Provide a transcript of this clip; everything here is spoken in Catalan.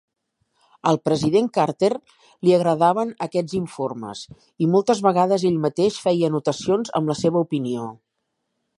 Al president Carter li agradaven aquests informes i moltes vegades ell mateix feia anotacions amb la seva opinió.